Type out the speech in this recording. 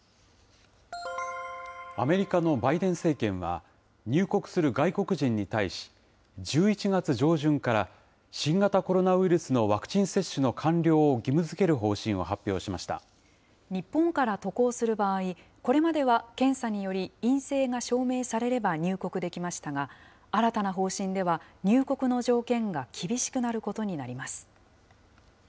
アメリカのバイデン政権は、入国する外国人に対し、１１月上旬から新型コロナウイルスのワクチン接種の完了を義務づ日本から渡航する場合、これまでは検査により、陰性が証明されれば入国できましたが、新たな方針では入国の条件が厳しくなることになります。